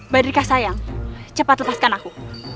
badrika sayang cepat lepaskan aku